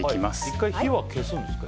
１回、火は消すんですね